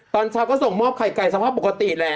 ตอนเช้าก็ส่งมอบไข่ไก่สภาพปกติแหละ